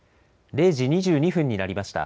０時２２分になりました。